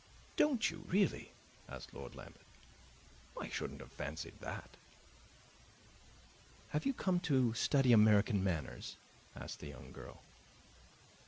"Don't you, really?" asked Lord Lambeth. "I shouldn't have fancied that." "Have you come to study American manners?" asked the young girl.